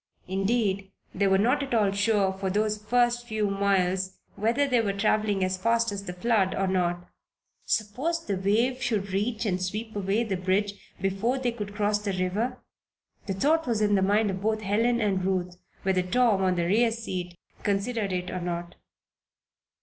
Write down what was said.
Indeed, they were not at all sure for those first few miles whether they were traveling as fast as the flood, or not. Suppose the wave should reach and sweep away the bridge before they could cross the river? The thought was in the mind of both Helen and Ruth, whether Tom, on the rear seat, considered it or not.